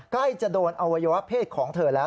ใกล้จะโดนอวัยวะเพศของเธอแล้ว